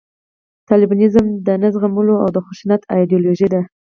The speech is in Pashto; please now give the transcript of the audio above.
طالبانیزم د نه زغملو او د خشونت ایدیالوژي ده